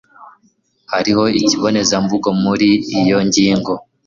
Hariho ikibonezamvugo muri iyo ngingo.